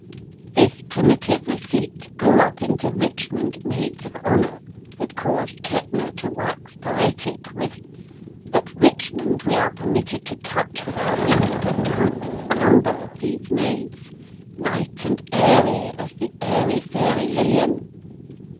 This primitive "receipt" grew up into Richmond maids of honor that caused Kettner to wax poetic with: At Richmond we are permitted to touch with our lips a countless number of these maids light and airy as the "airy, fairy Lilian."